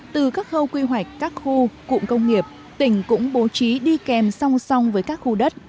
từ các khâu quy hoạch các khu cụm công nghiệp tỉnh cũng bố trí đi kèm song song với các khu đất